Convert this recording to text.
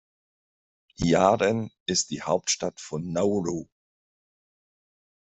Yaren ist die Hauptstadt von Nauru.